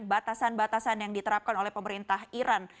batasan batasan yang diterapkan oleh pemerintah iran